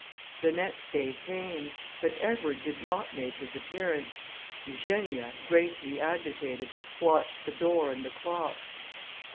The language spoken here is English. The next day came, but Edward did not make his appearance. Eugenia, greatly agitated, watched the door and the clock.